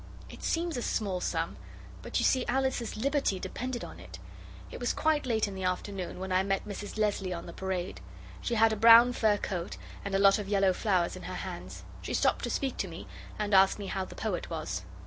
It seems a small sum, but you see Alice's liberty depended on it. It was quite late in the afternoon when I met Mrs Leslie on the Parade. She had a brown fur coat and a lot of yellow flowers in her hands. She stopped to speak to me, and asked me how the Poet was.